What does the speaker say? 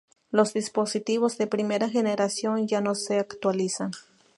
Los dispositivos de primera generación ya no se actualizan.